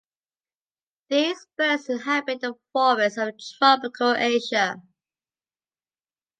These birds inhabit the forests of tropical Asia.